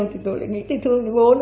từ buổi ấm hồn